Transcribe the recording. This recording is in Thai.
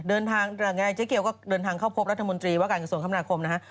ยังไงเจ๊เกียวก็เดินทางเข้าพบรัฐมนตรีว่าการกระทรวงคมนาคมนะฮะ